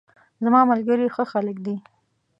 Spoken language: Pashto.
زماملګري ښه خلګ دي